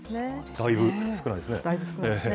だいぶ少ないですね。